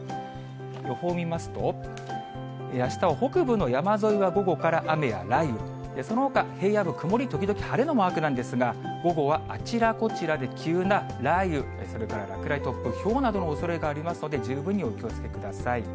予報を見ますと、あしたは北部の山沿いは午後から雨や雷雨、そのほか平野部、曇り時々晴れのマークなんですが、午後はあちらこちらで急な雷雨、それから落雷、突風、ひょうなどのおそれがありますので、十分にお気をつけください。